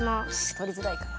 とりづらいかな。